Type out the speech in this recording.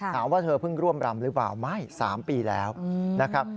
ถามว่าเธอเพิ่งร่วมรำหรือเปล่าไม่๓ปีแล้วนะครับ